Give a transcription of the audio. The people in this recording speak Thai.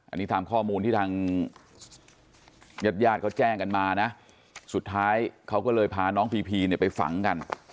อันนี้ตามข้อมูลที่ทางญาติญาติเขาแจ้งกันมานะสุดท้ายเขาก็เลยพาน้องพีพีเนี่ยไปฝังกัน